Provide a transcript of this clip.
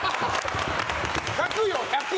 １００よ１００。